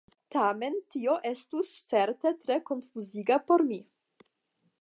Tamen tio estus certe tre konfuziga por mi!